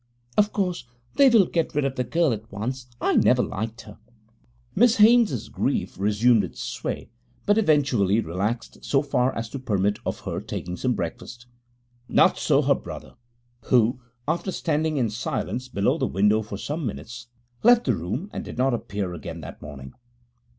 Of course, they will get rid of the girl at once. I never liked her.' Miss Haynes's grief resumed its sway, but eventually relaxed so far as to permit of her taking some breakfast. Not so her brother, who, after standing in silence before the window for some minutes, left the room, and did not appear again that morning.